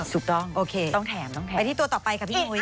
ถูกต้องต้องแถมคุณนุ้ยไปที่ตัวต่อไปกับพี่โอ๊ย